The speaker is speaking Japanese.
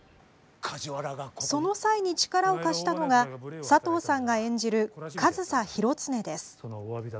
その際に、力を貸したのが佐藤さんが演じる上総広常です。